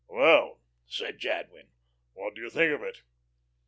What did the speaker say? "Well," said Jadwin, "what do you think of it?"